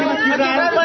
pak kaki berang gimana